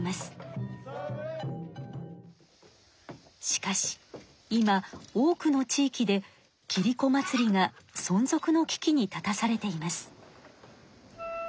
しかし今多くの地域でキリコ祭りがそん続の危機に立たされています。